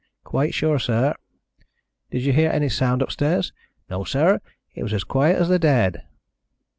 "Quite sure, sir." "Did you hear any sound upstairs?" "No, sir. It was as quiet as the dead."